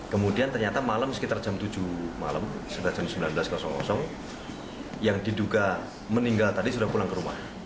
kemudian ternyata malam sekitar jam tujuh malam sebelas yang diduga meninggal tadi sudah pulang ke rumah